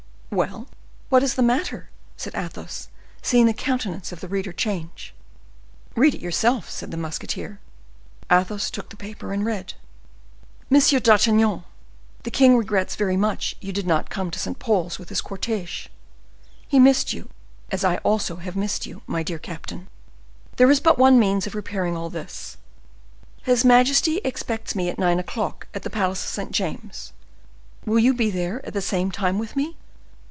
"Well, what is the matter?" said Athos, seeing the countenance of the reader change. "Read it yourself," said the musketeer. Athos took the paper and read: "MONSIEUR D'ARTAGNAN.—The king regrets very much you did not come to St. Paul's with his cortege. He missed you, as I also have missed you, my dear captain. There is but one means of repairing all this. His majesty expects me at nine o'clock at the palace of St. James's: will you be there at the same time with me?